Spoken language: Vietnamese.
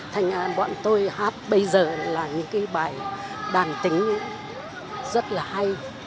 thành an bọn tôi hát bây giờ là những cái bài đàn tính rất là hay